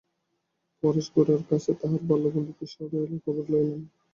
পরেশ গোরার কাছে তাঁহার বাল্যবন্ধু কৃষ্ণদয়ালের খবর লইলেন।